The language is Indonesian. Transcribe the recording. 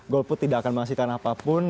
golput tidak akan menghasilkan apapun